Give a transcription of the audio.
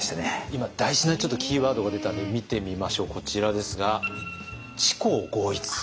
今大事なキーワードが出たので見てみましょうこちらですが「知行合一」。